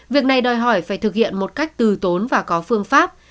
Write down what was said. việc này đòi hỏi phải thực hiện một cách từ tốn và có phương pháp